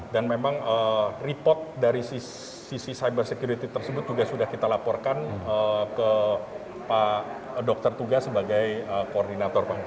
dan memang report dari sisi cyber security tersebut juga sudah kita laporkan ke dokter tugas sebagai koordinator